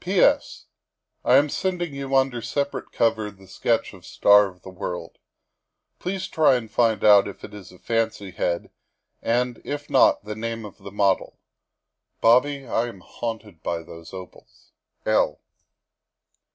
" P. S. I am sending you under separate cover the sketch ' Star of the World.' Please try and find out if it is a fancy head, and, if not, the name of the model. Bobby, I am haunted by those opals. " L."